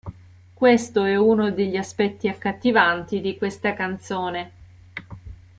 Questo è uno degli aspetti accattivanti di questa canzone.